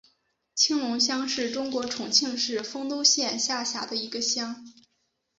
青龙乡是中国重庆市丰都县下辖的一个乡。